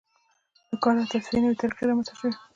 د کار او تصفیې نوې طریقې رامنځته شوې.